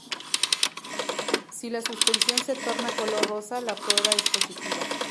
Si la suspensión se torna color rosa la prueba es positiva.